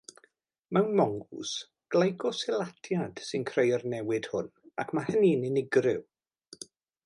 Mewn mongŵs, glycosylatiad sy'n creu'r newid hwn ac mae hynny'n unigryw.